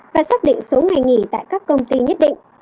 và xác định số ngày nghỉ tại các công ty nhất định